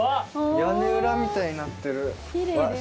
屋根裏みたいになってる。